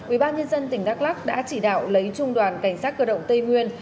ubnd tỉnh đắk lắc đã chỉ đạo lấy trung đoàn cảnh sát cơ động tây nguyên